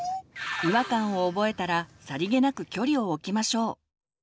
違和感を覚えたらさりげなく距離を置きましょう。